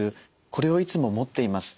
これをいつも持っています。